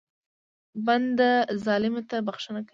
بنده ظالم ته بښنه کوي.